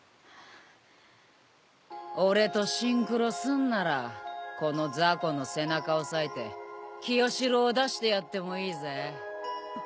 俺とシンクロすんならこの雑魚の背中を裂いて清司郎を出してやってもいいぜ？